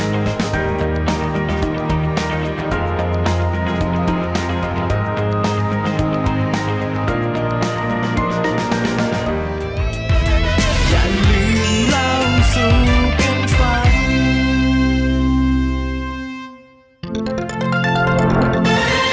อย่าลืมเล่าสูงเป็นฝัน